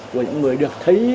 của những người được thấy cái